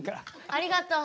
ありがとう。